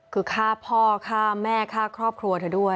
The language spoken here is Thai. คือฆ่าพ่อฆ่าแม่ฆ่าครอบครัวเธอด้วย